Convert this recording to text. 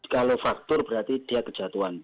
kalau faktor berarti dia kejatuhan